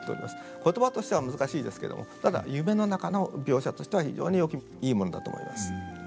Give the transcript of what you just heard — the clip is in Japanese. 言葉としては難しいですけれどもただ夢の中の描写としては非常にいいものだと思います。